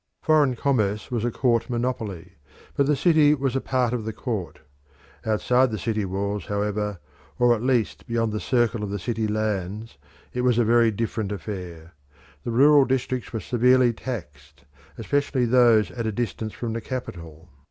Foreign commerce was a court monopoly, but the city was a part of the court. Outside the city walls, however, or at least beyond the circle of the city lands, it was a very different affair. The rural districts were severely taxed, especially those at a distance from the capital.